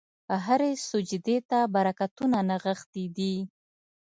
هره سجدې ته برکتونه نغښتي دي.